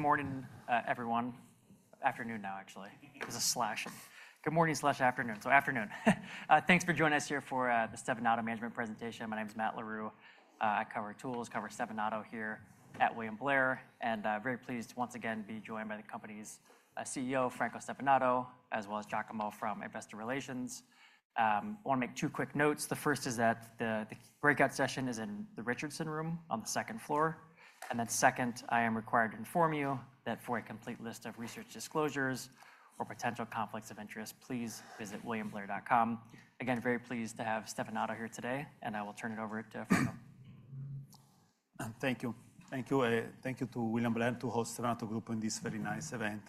Good morning, everyone. Afternoon now, actually. It's a slash. Good morning/afternoon. So, afternoon. Thanks for joining us here for the Stevanato management presentation. My name is Matt Larew. I cover tools, cover Stevanato here at William Blair, and I'm very pleased once again to be joined by the company's CEO, Franco Stevanato, as well as Giacomo from Investor Relations. I want to make two quick notes. The first is that the breakout session is in the Richardson room on the second floor. And then second, I am required to inform you that for a complete list of research disclosures or potential conflicts of interest, please visit williamblair.com. Again, very pleased to have Stevanato here today, and I will turn it over to Franco. Thank you. Thank you to William Blair and to host Stevanato Group in this very nice event.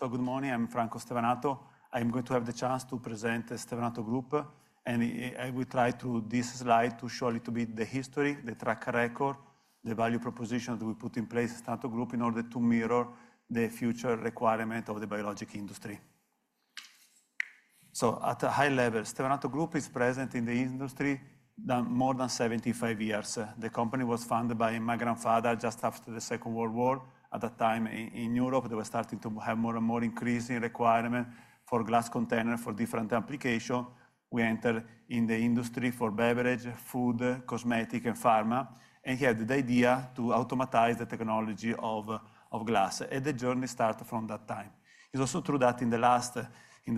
Good morning. I'm Franco Stevanato. I'm going to have the chance to present Stevanato Group, and I will try through this slide to show a little bit the history, the track record, the value proposition that we put in place at Stevanato Group in order to mirror the future requirement of the biologic industry. At a high level, Stevanato Group is present in the industry more than 75 years. The company was founded by my grandfather just after the Second World War. At that time in Europe, they were starting to have more and more increasing requirement for glass containers for different applications. We entered in the industry for beverage, food, cosmetic, and pharma, and had the idea to automatize the technology of glass. The journey started from that time. It's also true that in the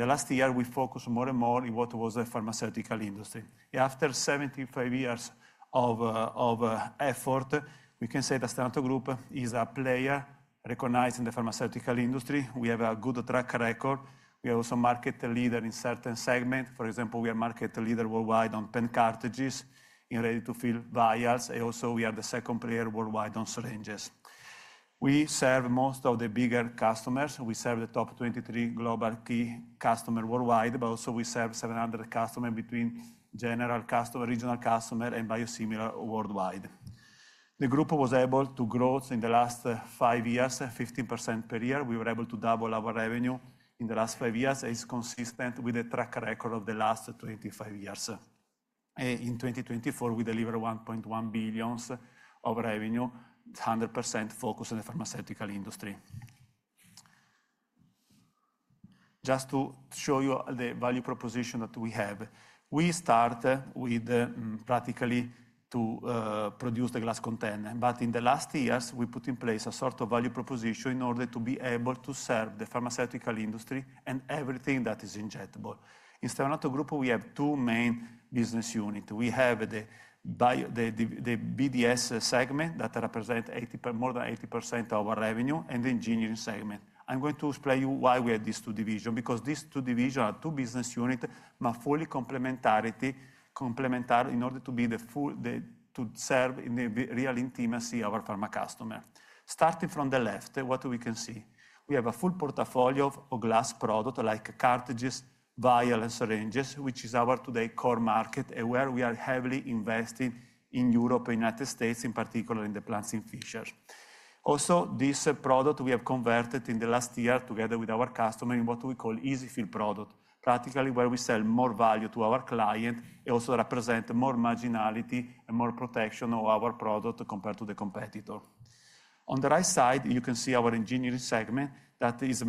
last year we focused more and more on what was the pharmaceutical industry. After 75 years of effort, we can say that Stevanato Group is a player recognized in the pharmaceutical industry. We have a good track record. We are also market leaders in certain segments. For example, we are market leader worldwide on pen cartridges in ready-to-fill vials, and also we are the second player worldwide on syringes. We serve most of the bigger customers. We serve the top 23 global key customers worldwide, but also we serve 700 customers between general customers, regional customers, and biosimilar worldwide. The group was able to grow in the last five years, 15% per year. We were able to double our revenue in the last five years, and it's consistent with the track record of the last 25 years. In 2024, we delivered 1.1 billion of revenue, 100% focused on the pharmaceutical industry. Just to show you the value proposition that we have, we start with practically to produce the glass container, but in the last years, we put in place a sort of value proposition in order to be able to serve the pharmaceutical industry and everything that is injectable. In Stevanato Group, we have two main business units. We have the BDS segment that represents more than 80% of our revenue and the engineering segment. I'm going to explain to you why we have these two divisions, because these two divisions are two business units, but fully complementary in order to serve in the real intimacy of our pharma customers. Starting from the left, what we can see, we have a full portfolio of glass products like cartridges, vials, and syringes, which is our today's core market and where we are heavily invested in Europe and the United States, in particular in the plants in Fishers. Also, this product we have converted in the last year together with our customers in what we call EZ-fill products, practically where we sell more value to our clients and also represent more marginality and more protection of our product compared to the competitor. On the right side, you can see our engineering segment that is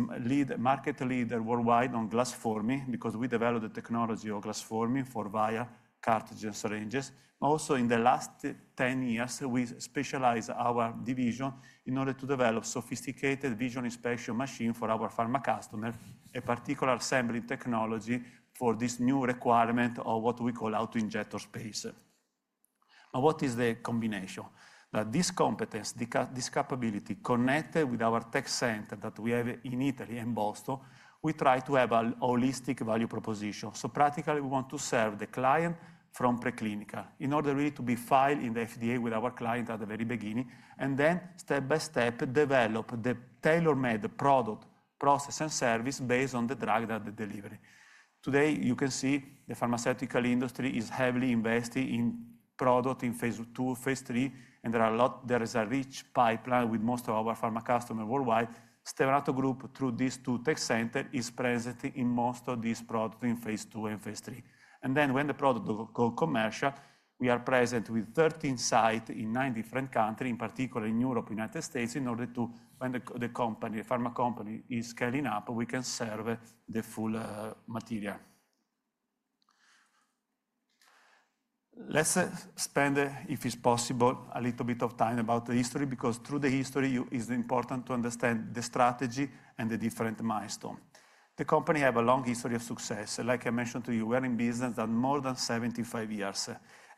market leader worldwide on glass forming because we developed the technology of glass forming for vials, cartridges, and syringes. Also, in the last 10 years, we specialized our division in order to develop a sophisticated visual inspection machine for our pharma customers, a particular assembly technology for this new requirement of what we call auto-injector space. What is the combination? This competence, this capability connected with our tech center that we have in Italy and Boston, we try to have a holistic value proposition. Practically, we want to serve the client from preclinical in order really to be filed in the FDA with our client at the very beginning, and then step by step develop the tailor-made product, process, and service based on the drug that they deliver. Today, you can see the pharmaceutical industry is heavily invested in product in phase two, phase three, and there is a rich pipeline with most of our pharma customers worldwide. Stevanato Group, through these two tech centers, is present in most of these products in phase two and phase three. When the product goes commercial, we are present with 13 sites in nine different countries, in particular in Europe and the United States, in order to, when the pharma company is scaling up, we can serve the full material. Let's spend, if it's possible, a little bit of time about the history because through the history, it's important to understand the strategy and the different milestones. The company has a long history of success. Like I mentioned to you, we are in business for more than 75 years.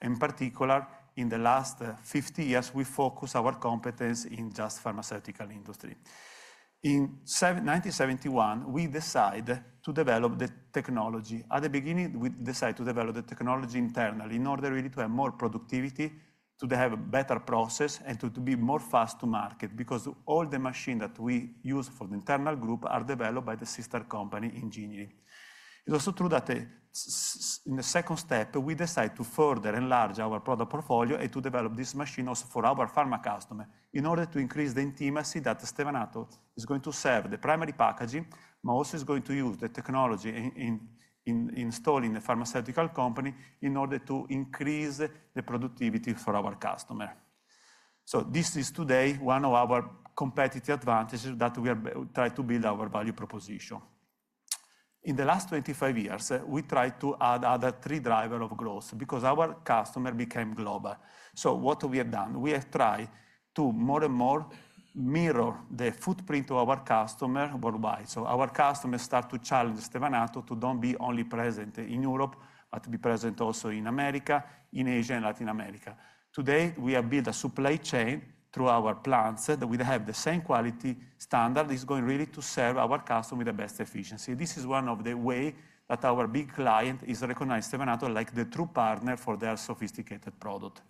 In particular, in the last 50 years, we focused our competence in just the pharmaceutical industry. In 1971, we decided to develop the technology. At the beginning, we decided to develop the technology internally in order really to have more productivity, to have a better process, and to be more fast to market because all the machines that we use for the internal group are developed by the sister company [Engineering]. It is also true that in the second step, we decided to further enlarge our product portfolio and to develop this machine also for our pharma customers in order to increase the intimacy that Stevanato Group is going to serve the primary packaging, but also is going to use the technology installed in the pharmaceutical company in order to increase the productivity for our customers. This is today one of our competitive advantages that we are trying to build our value proposition. In the last 25 years, we tried to add other three drivers of growth because our customers became global. What we have done? We have tried to more and more mirror the footprint of our customers worldwide. Our customers start to challenge Stevanato to not be only present in Europe, but to be present also in America, in Asia, and Latin America. Today, we have built a supply chain through our plants that we have the same quality standard. It's going really to serve our customers with the best efficiency. This is one of the ways that our big client is recognizing Stevanato as the true partner for their sophisticated product.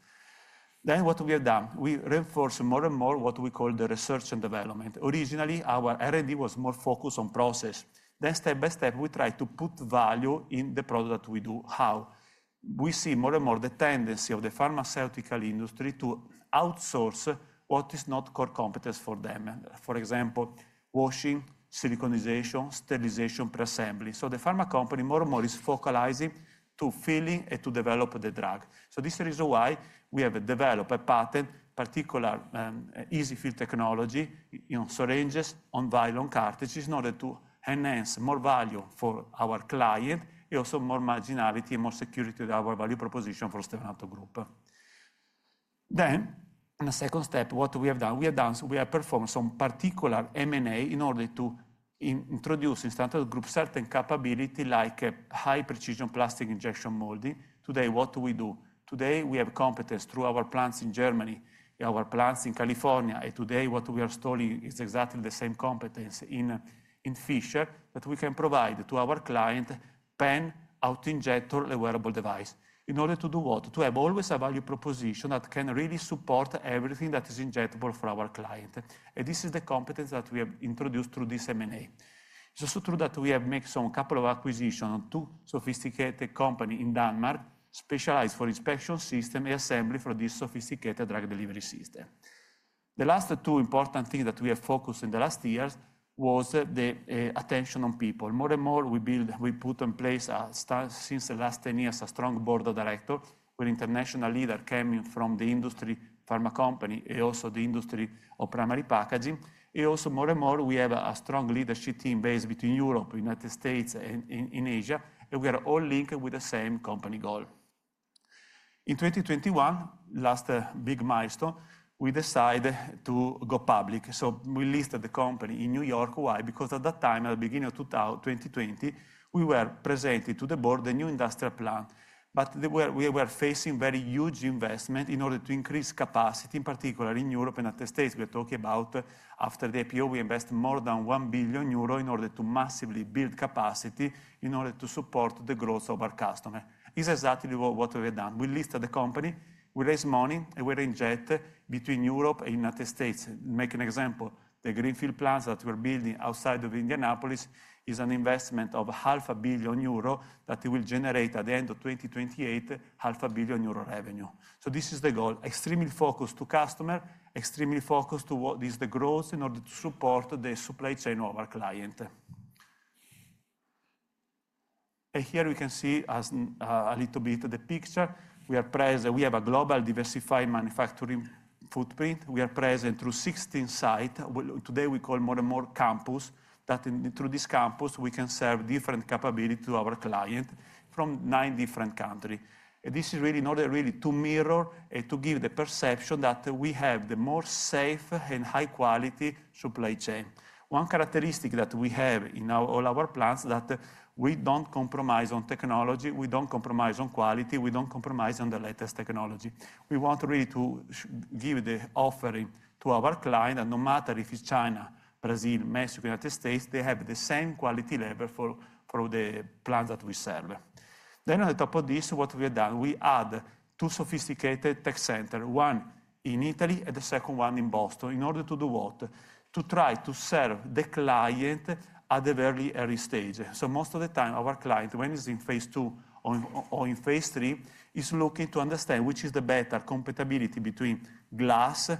What we have done? We reinforce more and more what we call the research and development. Originally, our R&D was more focused on process. Then step by step, we tried to put value in the product that we do. How? We see more and more the tendency of the pharmaceutical industry to outsource what is not core competence for them. For example, washing, siliconization, sterilization, preassembly. The pharma company more and more is focalizing on filling and to develop the drug. This is the reason why we have developed a patent, particularly EZ-fill technology on syringes, on vials, on cartridges in order to enhance more value for our client and also more marginality and more security of our value proposition for Stevanato Group. In the second step, what have we done? We have performed some particular M&A in order to introduce in Stevanato Group certain capabilities like high-precision plastic injection molding. Today, what do we do? Today, we have competence through our plants in Germany, our plants in California, and today what we are installing is exactly the same competence in Fishers that we can provide to our client: pen, auto-injector, wearable device. In order to do what? To have always a value proposition that can really support everything that is injectable for our client. This is the competence that we have introduced through this M&A. It is also true that we have made a couple of acquisitions on two sophisticated companies in Denmark specialized for inspection systems and assembly for this sophisticated drug delivery system. The last two important things that we have focused on in the last years was the attention on people. More and more, we put in place since the last 10 years a strong board of directors with international leaders coming from the industry pharma company and also the industry of primary packaging. Also, more and more, we have a strong leadership team based between Europe, the United States, and Asia, and we are all linked with the same company goal. In 2021, last big milestone, we decided to go public. We listed the company in New York. Why? Because at that time, at the beginning of 2020, we were presenting to the board the new industrial plan, but we were facing very huge investment in order to increase capacity, in particular in Europe and the United States. We are talking about after the IPO, we invested more than 1 billion euro in order to massively build capacity in order to support the growth of our customers. It's exactly what we have done. We listed the company, we raised money, and we're injecting between Europe and the United States. To make an example, the greenfield plants that we're building outside of Indianapolis is an investment of 500 million euro that will generate at the end of 2028 500 million euro revenue. This is the goal: extremely focused on customers, extremely focused on what is the growth in order to support the supply chain of our client. Here we can see a little bit of the picture. We are present, we have a global diversified manufacturing footprint. We are present through 16 sites. Today, we call more and more campuses. Through these campuses, we can serve different capabilities to our clients from nine different countries. This is really in order to mirror and to give the perception that we have the more safe and high-quality supply chain. One characteristic that we have in all our plants is that we do not compromise on technology, we do not compromise on quality, we do not compromise on the latest technology. We want really to give the offering to our client that no matter if it is China, Brazil, Mexico, United States, they have the same quality level for the plants that we serve. On top of this, what have we done? We add two sophisticated tech centers, one in Italy and the second one in Boston, in order to do what? To try to serve the client at the very early stage. Most of the time, our client, when it's in phase two or in phase three, is looking to understand which is the better compatibility between glass,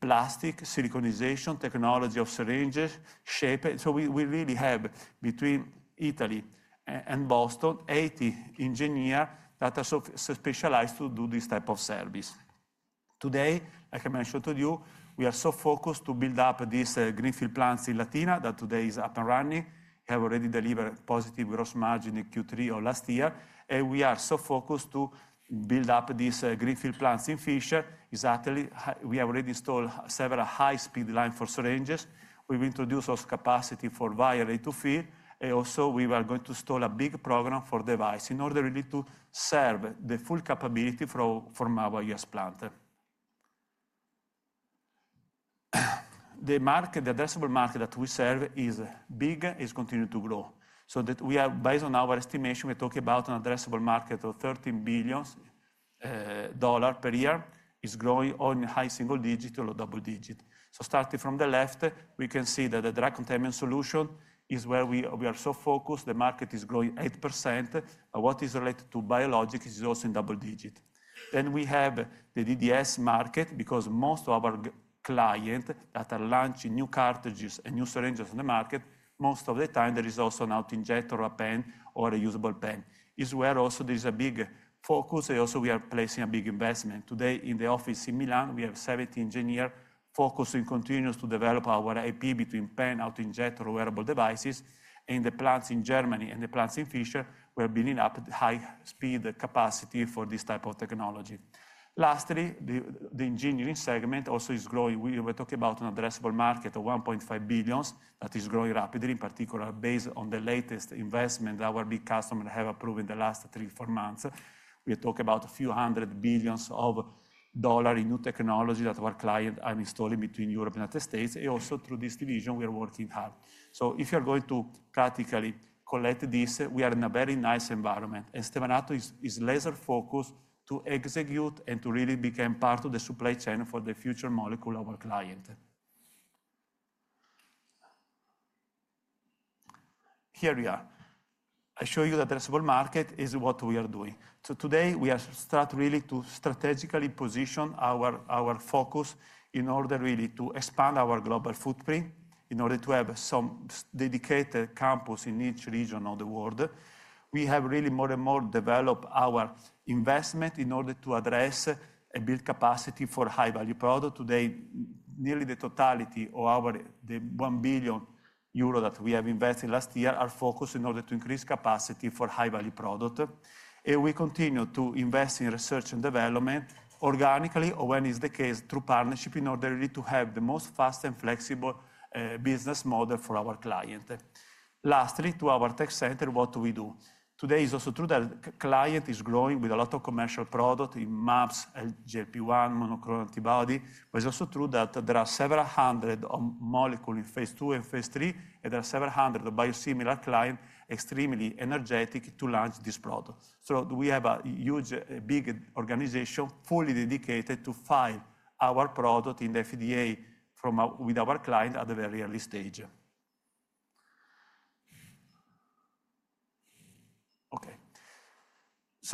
plastic, siliconization technology of syringes, shape. We really have between Italy and Boston 80 engineers that are specialized to do this type of service. Today, like I mentioned to you, we are so focused on building up these greenfield plants in Latina that today is up and running. We have already delivered positive gross margin in Q3 of last year, and we are so focused on building up these greenfield plants in Fishers. Exactly, we have already installed several high-speed lines for syringes. We've introduced also capacity for vials, ready-to-fill, and also we are going to install a big program for devices in order really to serve the full capability from our U.S. plant. The addressable market that we serve is big and is continuing to grow. Based on our estimation, we're talking about an addressable market of $13 billion per year. It's growing in high single digit or double digit. Starting from the left, we can see that the drug containment solution is where we are so focused. The market is growing 8%, but what is related to biologics is also in double digit. We have the DDS market because most of our clients that are launching new cartridges and new syringes on the market, most of the time there is also an auto-injector or a pen or a usable pen. It's where also there is a big focus, and also we are placing a big investment. Today, in the office in Milan, we have 17 engineers focused on continuing to develop our AP between pen, auto-injector, wearable devices. In the plants in Germany and the plants in Fishers, we are building up high-speed capacity for this type of technology. Lastly, the engineering segment also is growing. We were talking about an addressable market of $1.5 billion that is growing rapidly, in particular based on the latest investment that our big customers have approved in the last three, four months. We are talking about a few hundred billion dollars in new technology that our clients are installing between Europe and the United States. Also, through this division, we are working hard. If you are going to practically collect this, we are in a very nice environment, and Stevanato is laser-focused to execute and to really become part of the supply chain for the future molecule of our client. Here we are. I show you the addressable market is what we are doing. Today, we are really strategically positioning our focus in order really to expand our global footprint, in order to have some dedicated campuses in each region of the world. We have really more and more developed our investment in order to address and build capacity for high-value products. Today, nearly the totality of the 1 billion euro that we have invested last year is focused on increasing capacity for high-value products. We continue to invest in research and development organically or, when it's the case, through partnership in order really to have the most fast and flexible business model for our client. Lastly, to our tech center, what do we do? Today, it's also true that the client is growing with a lot of commercial products in MAPS GLP-1 monoclonal antibody. It's also true that there are several hundred molecules in phase two and phase three, and there are several hundred of biosimilar clients extremely energetic to launch these products. We have a huge, big organization fully dedicated to file our product in the FDA with our client at the very early stage.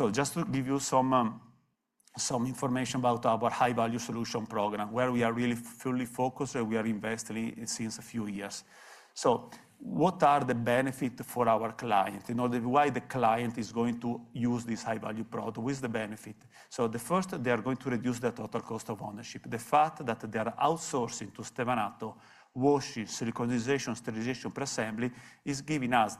Okay. Just to give you some information about our high-value solution program, where we are really fully focused and we are investing in since a few years. What are the benefits for our client? Why is the client going to use this high-value product? What is the benefit? The first, they are going to reduce the total cost of ownership. The fact that they are outsourcing to Stevanato washing, siliconization, sterilization, preassembly is giving us,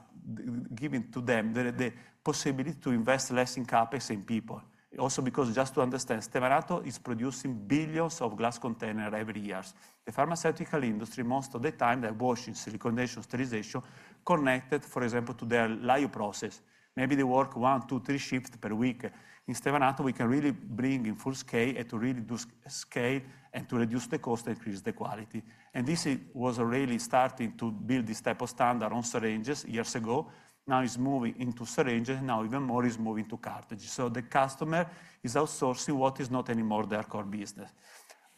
giving to them the possibility to invest less in CapEx and people. Also, because just to understand, Stevanato is producing billions of glass containers every year. The pharmaceutical industry, most of the time, they are washing, siliconization, sterilization connected, for example, to their live process. Maybe they work one, two, three shifts per week. In Stevanato, we can really bring in full-scale and to really do scale and to reduce the cost and increase the quality. This was really starting to build this type of standard on syringes years ago. Now it's moving into syringes, and now even more is moving to cartridges. The customer is outsourcing what is not anymore their core business.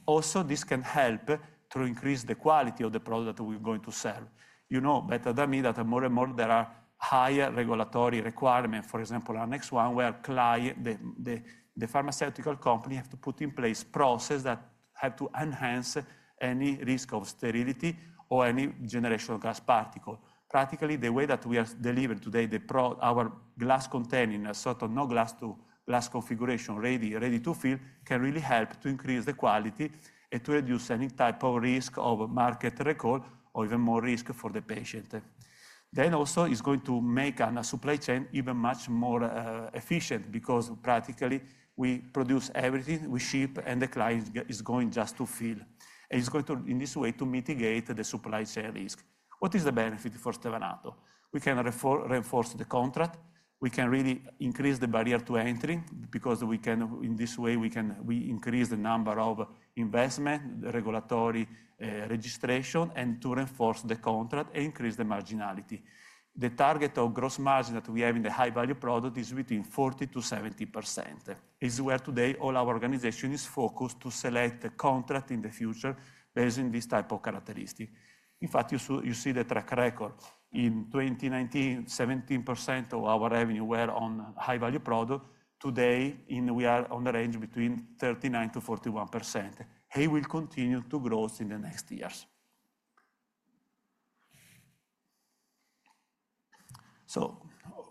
Also, this can help to increase the quality of the product that we're going to serve. You know better than me that more and more there are higher regulatory requirements. For example, our next one, where the pharmaceutical company has to put in place processes that have to enhance any risk of sterility or any generation of glass particles. Practically, the way that we are delivering today, our glass containers, so no-glass to glass configuration, ready-to-fill, can really help to increase the quality and to reduce any type of risk of market recall or even more risk for the patient. It is also going to make our supply chain even much more efficient because practically we produce everything, we ship, and the client is going just to fill. It is going to, in this way, mitigate the supply chain risk. What is the benefit for Stevanato? We can reinforce the contract. We can really increase the barrier to entry because in this way we can increase the number of investments, regulatory registration, and to reinforce the contract and increase the marginality. The target of gross margin that we have in the high-value product is between 40%-70%. It is where today all our organization is focused on selecting contracts in the future based on this type of characteristic. In fact, you see the track record. In 2019, 17% of our revenue were on high-value products. Today, we are in the range between 39%-41%. We'll continue to grow in the next years.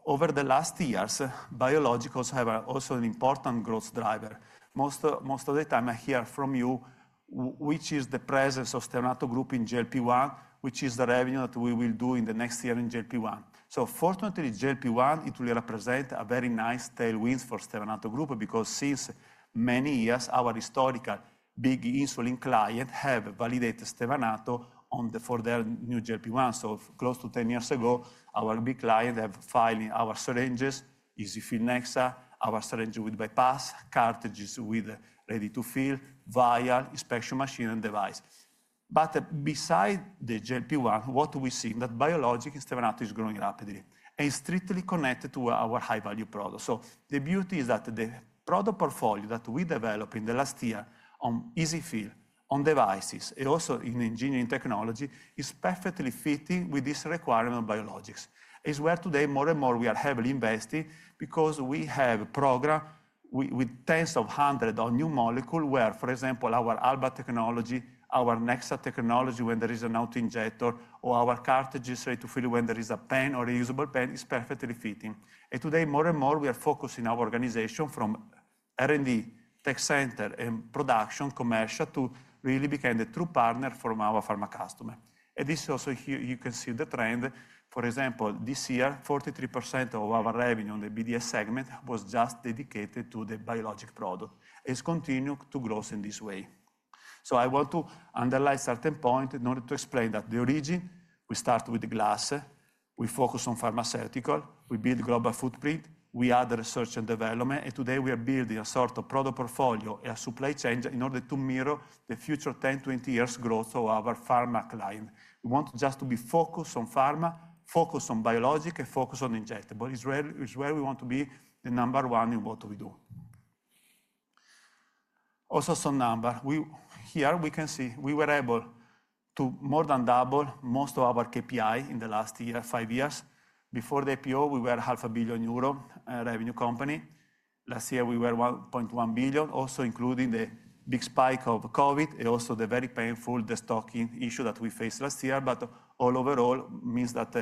Over the last years, biologics have also been an important growth driver. Most of the time I hear from you, which is the presence of Stevanato Group in GLP-1, which is the revenue that we will do in the next year in GLP-1. Fortunately, GLP-1, it will represent a very nice tailwind for Stevanato Group because since many years, our historical big insulin clients have validated Stevanato for their new GLP-1. Close to 10 years ago, our big clients have filed our syringes, EZ-fill Nexa, our syringes with bypass, cartridges with ready-to-fill, vial, inspection machine, and device. Besides the GLP-1, what do we see? Biologics in Stevanato is growing rapidly and is strictly connected to our high-value products. The beauty is that the product portfolio that we developed in the last year on EZ-fill, on devices, and also in engineering technology is perfectly fitting with this requirement of biologics. It is where today more and more we are heavily investing because we have a program with tens of hundreds of new molecules where, for example, our Alba technology, our Nexa technology when there is an auto-injector, or our cartridges ready-to-fill when there is a pen or a usable pen is perfectly fitting. Today, more and more, we are focusing our organization from R&D, tech center, and production, commercial to really become the true partner from our pharma customer. This is also here you can see the trend. For example, this year, 43% of our revenue in the BDS segment was just dedicated to the biologic product. It is continuing to grow in this way. I want to underline certain points in order to explain that the origin, we start with glass, we focus on pharmaceutical, we build global footprint, we add research and development, and today we are building a sort of product portfolio and a supply chain in order to mirror the future 10-20 years' growth of our pharma client. We want just to be focused on pharma, focused on biologics, and focused on injectables. It's where we want to be the number one in what we do. Also, some numbers. Here we can see we were able to more than double most of our KPI in the last five years. Before the IPO, we were a 500 million euro revenue company. Last year, we were 1.1 billion, also including the big spike of COVID and also the very painful stocking issue that we faced last year. Overall, it means that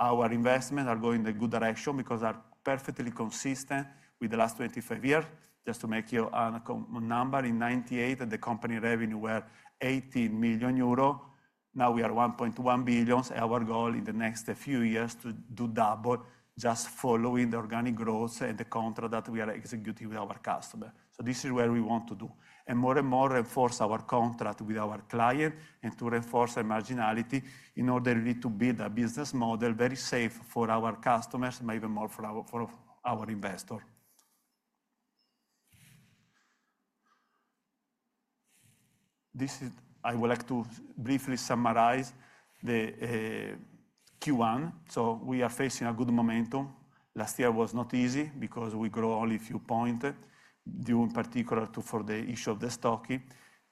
our investments are going in a good direction because they are perfectly consistent with the last 25 years. Just to make you a number, in 1998, the company revenue was 18 million euro. Now we are 1.1 billion. Our goal in the next few years is to double just following the organic growth and the contract that we are executing with our customers. This is what we want to do. More and more, reinforce our contract with our clients and to reinforce our marginality in order really to build a business model very safe for our customers, maybe more for our investors. I would like to briefly summarize the Q1. We are facing a good momentum. Last year was not easy because we grew only a few points, in particular for the issue of the stocking.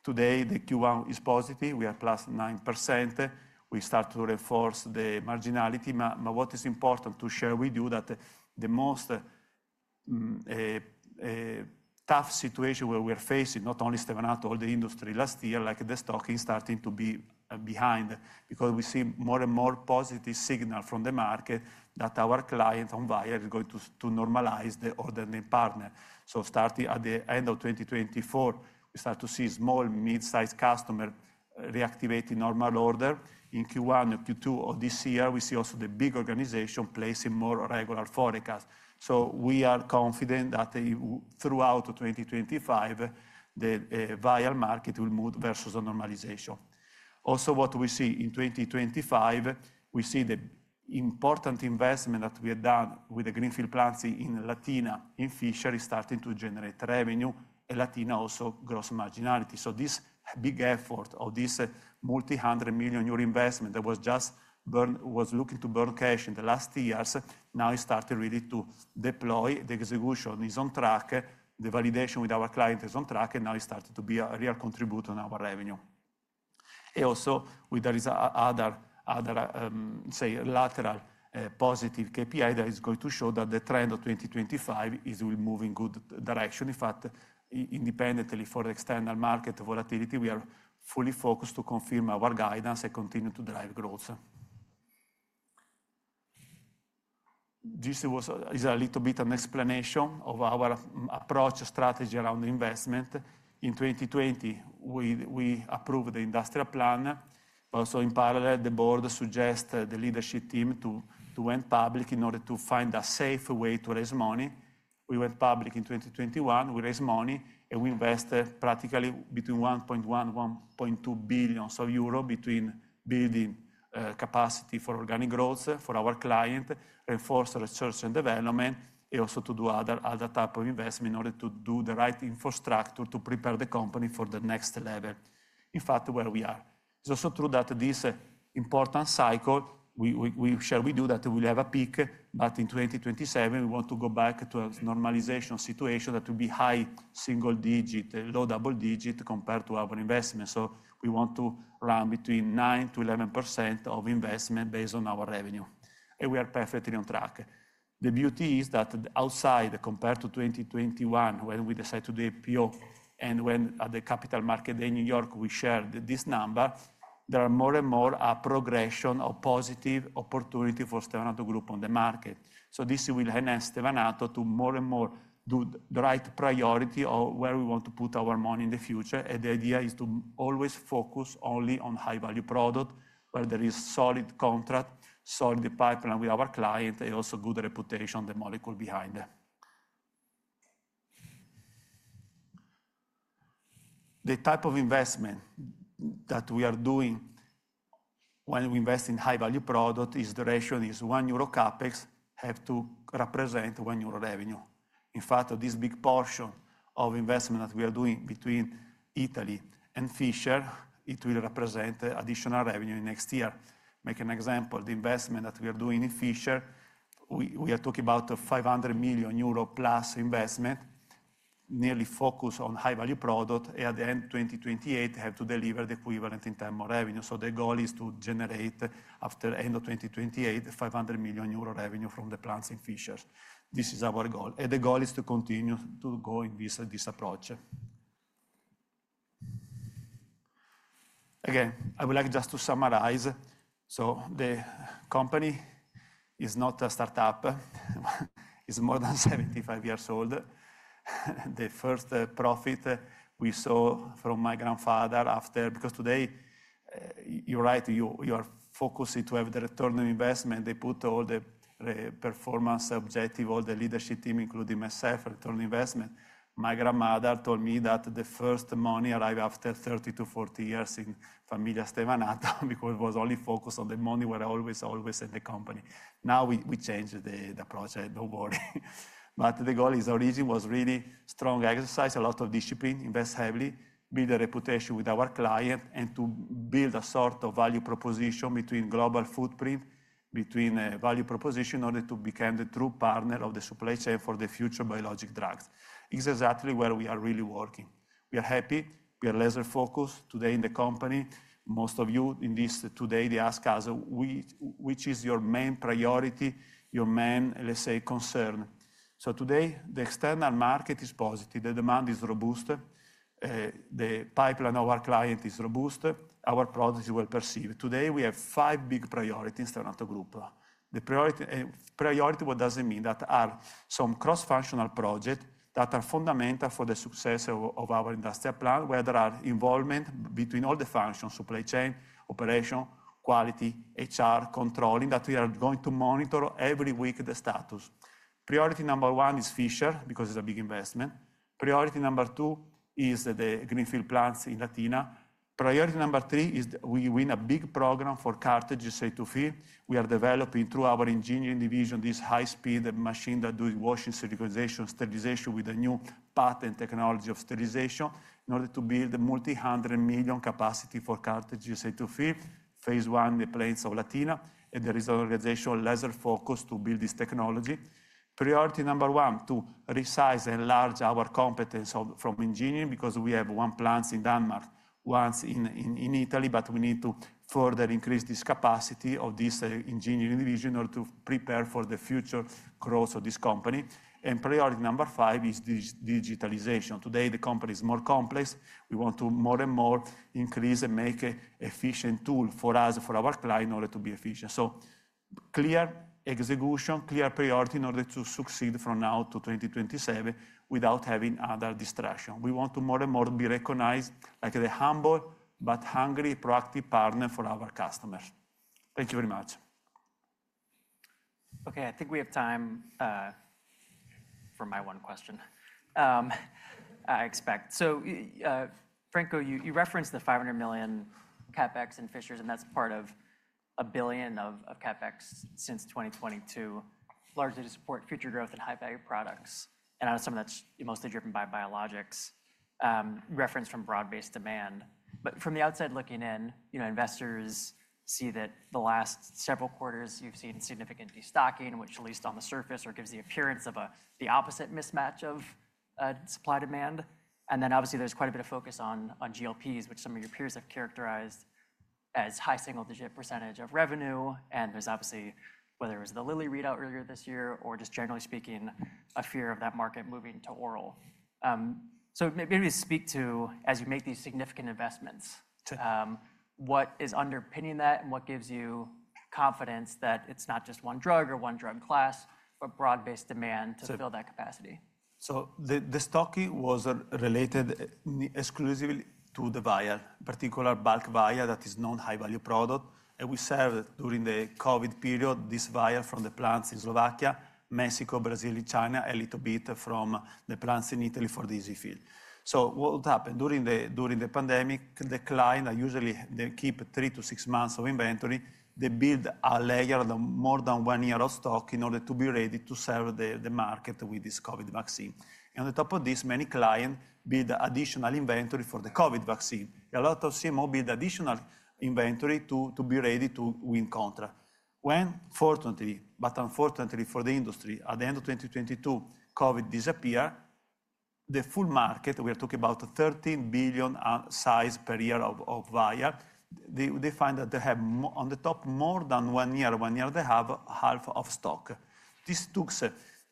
Today, the Q1 is positive. We are plus 9%. We start to reinforce the marginality. What is important to share with you is that the most tough situation where we are facing, not only Stevanato Group, all the industry last year, like the stocking, is starting to be behind because we see more and more positive signals from the market that our clients on vial are going to normalize the ordering partner. Starting at the end of 2024, we start to see small, mid-sized customers reactivating normal order. In Q1 or Q2 of this year, we see also the big organization placing more regular forecasts. We are confident that throughout 2025, the vial market will move versus the normalization. Also, what we see in 2025, we see the important investment that we have done with the greenfield plant in Fishers is starting to generate revenue and Latina also gross marginality. This big effort of this multi-hundred-million-euro investment that was just looking to burn cash in the last years, now it's starting really to deploy. The execution is on track. The validation with our client is on track, and now it's starting to be a real contribution on our revenue. Also, there is other, say, lateral positive KPI that is going to show that the trend of 2025 is moving in a good direction. In fact, independently for the external market volatility, we are fully focused to confirm our guidance and continue to drive growth. This is a little bit of an explanation of our approach strategy around investment. In 2020, we approved the industrial plan. Also, in parallel, the board suggested the leadership team to went public in order to find a safe way to raise money. We went public in 2021. We raised money, and we invested practically between 1.1 billion euro and 1.2 billion euro between building capacity for organic growth for our client, reinforcing research and development, and also to do other types of investment in order to do the right infrastructure to prepare the company for the next level. In fact, where we are. It's also true that this important cycle, we share with you that we have a peak, but in 2027, we want to go back to a normalization situation that will be high single-digit, low double-digit compared to our investment. We want to run between 9%-11% of investment based on our revenue. We are perfectly on track. The beauty is that outside, compared to 2021, when we decided to do the IPO and when at the capital market in New York, we shared this number, there are more and more progressions of positive opportunities for Stevanato Group on the market. This will enhance Stevanato to more and more do the right priority of where we want to put our money in the future. The idea is to always focus only on high-value products where there is a solid contract, solid pipeline with our client, and also good reputation on the molecule behind it. The type of investment that we are doing when we invest in high-value products is the ratio is 1 euro CapEx have to represent 1 euro revenue. In fact, this big portion of investment that we are doing between Italy and Fishers, it will represent additional revenue in next year. Make an example, the investment that we are doing in Fishers, we are talking about a 500+ million euro investment, nearly focused on high-value products, and at the end of 2028, have to deliver the equivalent in terms of revenue. The goal is to generate after the end of 2028, 500-million euro revenue from the plants in Fishers. This is our goal. The goal is to continue to go in this approach. Again, I would like just to summarize. The company is not a startup. It is more than 75 years old. The first profit we saw from my grandfather after, because today, you're right, you are focusing to have the return on investment. They put all the performance objectives, all the leadership team, including myself, return on investment. My grandmother told me that the first money arrived after 30 to 40 years in familia Stevanato because it was only focused on the money where I always, always in the company. Now we changed the approach, don't worry. The goal is origin was really strong exercise, a lot of discipline, invest heavily, build a reputation with our client, and to build a sort of value proposition between global footprint, between value proposition in order to become the true partner of the supply chain for the future biologic drugs. It's exactly where we are really working. We are happy. We are laser-focused today in the company. Most of you in this today, they ask us, which is your main priority, your main, let's say, concern? Today, the external market is positive. The demand is robust. The pipeline of our client is robust. Our product is well perceived. Today, we have five big priorities in Stevanato Group. The priority, what does it mean? That are some cross-functional projects that are fundamental for the success of our industrial plan, where there are involvement between all the functions, supply chain, operation, quality, HR, controlling, that we are going to monitor every week the status. Priority number one is Fishers because it's a big investment. Priority number two is the greenfield plants in Latina. Priority number three is we win a big program for cartridges ready-to-fill. We are developing through our engineering division this high-speed machine that does washing, sterilization with a new patent technology of sterilization in order to build a multi-hundred million capacity for cartridges ready-to-fill. Phase one in the plants of Latina. There is an organizational laser focus to build this technology. Priority number one to resize and enlarge our competence from engineering because we have one plant in Denmark, one in Italy, but we need to further increase this capacity of this engineering division in order to prepare for the future growth of this company. Priority number five is digitalization. Today, the company is more complex. We want to more and more increase and make an efficient tool for us, for our client in order to be efficient. Clear execution, clear priority in order to succeed from now to 2027 without having other distractions. We want to more and more be recognized like the humble but hungry proactive partner for our customers. Thank you very much. Okay, I think we have time for my one question, I expect. Franco, you referenced the 500-million CapEx in Fishers, and that's part of a 1 billion of CapEx since 2022, largely to support future growth and high-value products. I assume that's mostly driven by biologics, referenced from broad-based demand. From the outside looking in, investors see that the last several quarters you've seen significant destocking, which at least on the surface gives the appearance of the opposite mismatch of supply and demand. Obviously there's quite a bit of focus on GLPs, which some of your peers have characterized as high single-digit percentage of revenue. There's obviously, whether it was the Lilly readout earlier this year or just generally speaking, a fear of that market moving to oral. Maybe speak to, as you make these significant investments, what is underpinning that and what gives you confidence that it's not just one drug or one drug class, but broad-based demand to fill that capacity? The stocking was related exclusively to the vial, particular bulk vial that is known high-value product. We served during the COVID period this vial from the plants in Slovakia, Mexico, Brazil, China, a little bit from the plants in Italy for the EZ-fill. What happened during the pandemic? The client, they usually keep three to six months of inventory. They build a layer of more than one year of stock in order to be ready to serve the market with this COVID vaccine. On top of this, many clients build additional inventory for the COVID vaccine. A lot of CMO build additional inventory to be ready to win contracts. When, fortunately, but unfortunately for the industry, at the end of 2022, COVID disappeared, the full market, we are talking about a 13 billion size per year of vial, they find that they have on the top more than one year. One year, they have half of stock. This took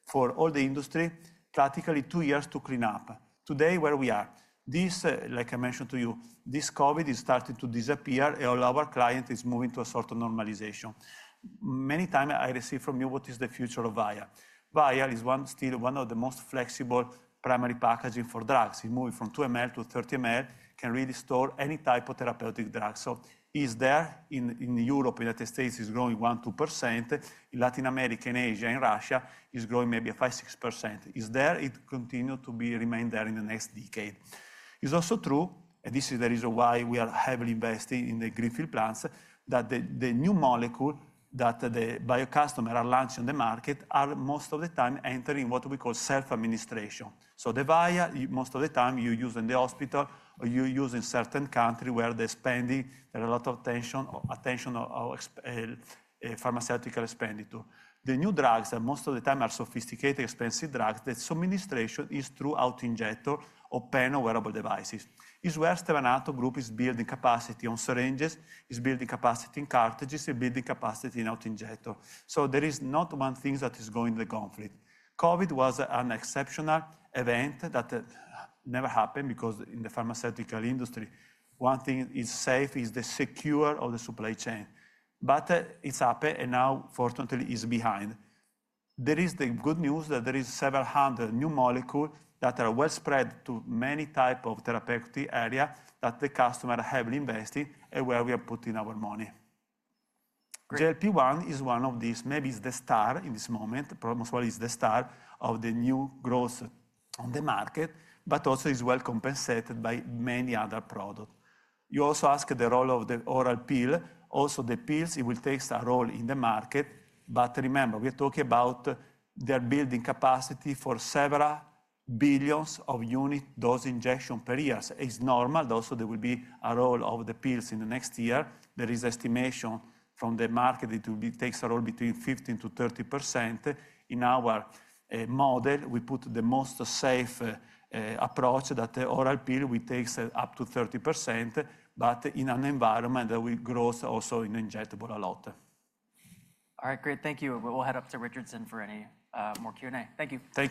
for all the industry practically two years to clean up. Today, where we are, this, like I mentioned to you, this COVID is starting to disappear, and all our clients are moving to a sort of normalization. Many times I receive from you, what is the future of vial? Vial is still one of the most flexible primary packaging for drugs. It moves from 2 ml to 30 ml, can really store any type of therapeutic drug. So it's there in Europe. In the U.S., it's growing 1%-2%. In Latin America, in Asia, in Russia, it's growing maybe 5%-6%. It's there. It continues to remain there in the next decade. It's also true, and this is the reason why we are heavily investing in the greenfield plants, that the new molecule that the bio customers are launching on the market are most of the time entering what we call self-administration. The vial, most of the time you use in the hospital or you use in certain countries where they're spending, there are a lot of attention or pharmaceutical expenditure. The new drugs that most of the time are sophisticated, expensive drugs, that's administration is through autoinjector or pen or wearable devices. It's where Stevanato Group is building capacity on syringes, is building capacity in cartridges, and building capacity in autoinjector. There is not one thing that is going in the conflict. COVID was an exceptional event that never happened because in the pharmaceutical industry, one thing is safe is the secure of the supply chain. It happened, and now, fortunately, it is behind. There is the good news that there are several hundred new molecules that are well spread to many types of therapeutic areas that the customers have been investing and where we are putting our money. GLP-1 is one of these. Maybe it is the star in this moment. Probably it is the star of the new growth on the market, but also it is well compensated by many other products. You also asked the role of the oral pill. Also, the pills, it will take a role in the market. Remember, we are talking about they are building capacity for several billions of unit dose injection per year. It's normal that also there will be a role of the pills in the next year. There is an estimation from the market that it will take a role between 15%-30%. In our model, we put the most safe approach that the oral pill will take up to 30%, but in an environment that we grow also in injectable a lot. All right, great. Thank you. We'll head up to Richardson for any more Q&A. Thank you. Thank you.